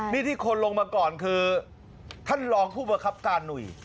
นี่ที่คนลงมาก่อนคือท่านรองผู้ประคับการหนุ่ย